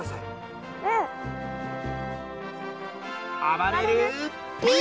あばれるＰ！